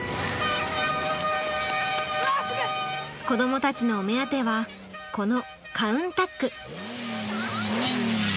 子どもたちのお目当てはこのカウンタック。